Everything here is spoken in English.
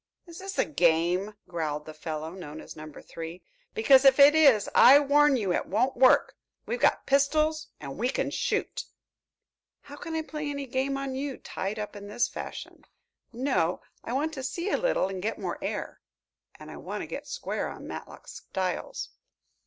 "Is this a game?" growled the fellow, known as Number Three. "Because if it is, I warn you it won't work. We've got pistols and we can shoot." "How can I play any game on you, tied up in this fashion? No, I want to see a little and get more air and I want to get square on Matlock Styles."